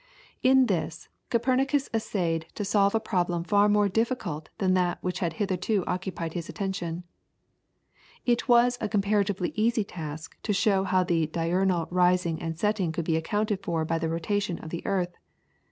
In this, Copernicus essayed to solve a problem far more difficult than that which had hitherto occupied his attention. It was a comparatively easy task to show how the diurnal rising and setting could be accounted for by the rotation of the earth.